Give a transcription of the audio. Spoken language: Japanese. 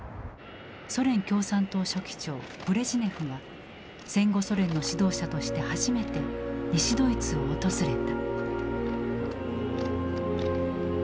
ソ連共産党書記長ブレジネフが戦後ソ連の指導者として初めて西ドイツを訪れた。